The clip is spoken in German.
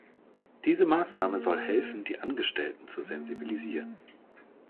Diese Maßnahme soll helfen, die Angestellten zu sensibilisieren.